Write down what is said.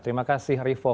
terima kasih rifu